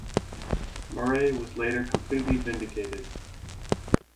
Murray was later completely vindicated.